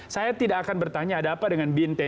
saya tidak akan bertanya ada apa dengan bin tni